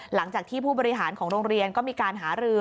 หลังจากที่ผู้บริหารของโรงเรียนก็มีการหารือ